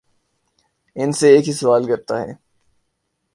ان سے ایک ہی سوال کرتا ہے